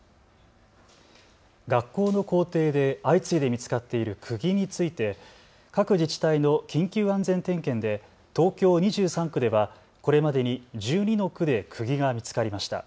学校の校庭で相次いで見つかっているくぎについて各自治体の緊急安全点検で東京２３区ではこれまでに１２の区でくぎが見つかりました。